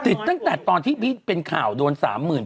ตั้งแต่ตอนที่เป็นข่าวโดน๓๐๐๐